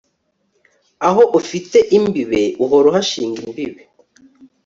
aho ufite imbibe uhora uhashinga imbibe